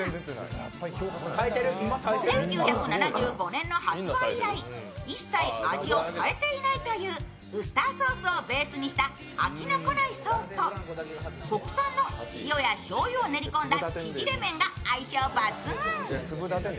１９７５年の発売以来、一切味を変えていないというウスターソースをベースにした飽きのこないソースと国産の塩やしょうゆを練り込んだちぢれ麺が相性抜群。